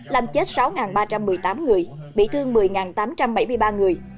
làm chết sáu ba trăm một mươi tám người bị thương một mươi tám trăm bảy mươi ba người